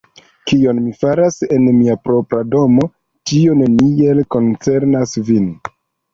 Kion mi faras en mia propra domo, tio neniel koncernas vin.